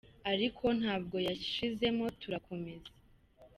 ariko ntabwo yashizemo turakomeza.